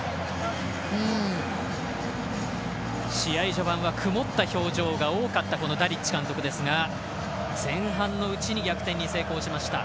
試合序盤は曇った表情が多かったダリッチ監督ですが前半のうちに逆転に成功しました。